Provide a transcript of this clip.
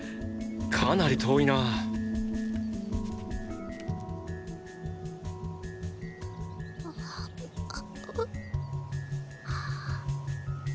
かなり遠いな。ッ！